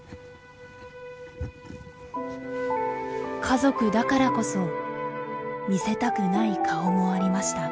家族だからこそ見せたくない顔もありました。